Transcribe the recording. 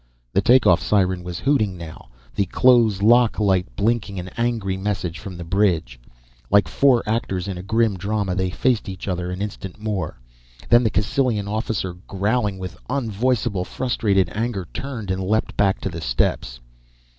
The take off siren was hooting now, the close lock light blinking an angry message from the bridge. Like four actors in a grim drama they faced each other an instant more. Then the Cassylian officer, growling with unvoicable frustrated anger, turned and leaped back to the steps.